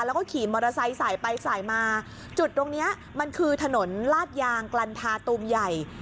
แล้วก็ขี่มอเตอร์ไซค์สายไปสายมาจุดตรงเนี้ยมันคือถนนลาดยางกลันทาตูมใหญ่